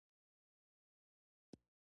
ستا عادتونه په یقیني ډول راتلونکی بدلولی شي.